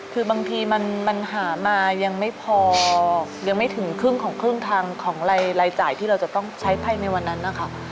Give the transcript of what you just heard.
คือบางทีมันหามายังไม่พอยังไม่ถึงครึ่งของครึ่งทางของรายจ่ายที่เราจะต้องใช้ภายในวันนั้นนะคะ